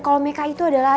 kalau mereka itu adalah